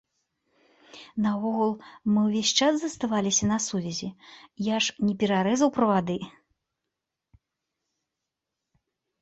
Наогул, мы ўвесь час заставаліся на сувязі, я ж не перарэзаў правады!